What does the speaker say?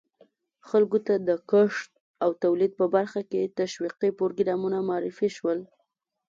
خلکو ته د کښت او تولید په برخه کې تشویقي پروګرامونه معرفي شول.